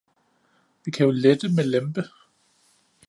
Vi kan jo lette med lempe